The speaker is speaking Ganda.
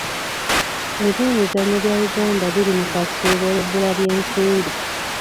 Ebyemizannyo bya Uganda biri mu kasuubo olw'ebbula ly'ensimbi.